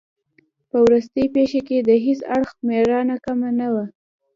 په وروستۍ پېښه کې د هیڅ اړخ مېړانه کمه نه وه.